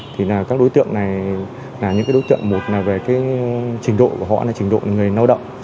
thì là các đối tượng này là những đối tượng một là về cái trình độ của họ là trình độ người lao động